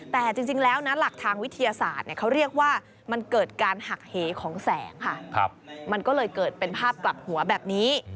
แต่จริงแล้วนะหลักทางวิทยาศาสตร์เขาเรียกว่ามันเกิดการหักเหของแสงค่ะมันก็เลยเกิดเป็นภาพกลับหัวแบบนี้